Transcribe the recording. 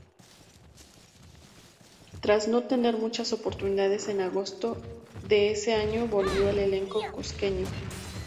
Tras no tener muchas oportunidades, en agosto de ese año volvió al elenco cuzqueño.